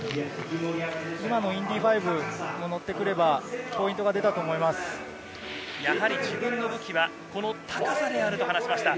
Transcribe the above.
今のインディ５４０も乗ってくれば、やはり自分の武器は高さであると話しました。